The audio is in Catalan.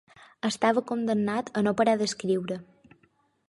Estava condemnat a no parar d'escriure.